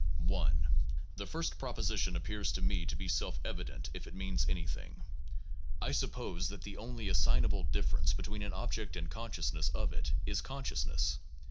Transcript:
I. The first proposition appears to me to be self evident if it means anything. I suppose that the only assignable difference between an object and consciousness of it is consciousness.